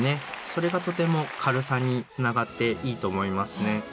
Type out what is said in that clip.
それがとても軽さにつながっていいと思いますね。